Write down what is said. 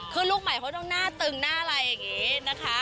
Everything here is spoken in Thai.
คือลูกใหม่เขาต้องหน้าตึงหน้าอะไรอย่างนี้นะคะ